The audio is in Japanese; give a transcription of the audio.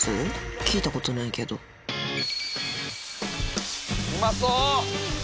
聞いたことないけどうまそう！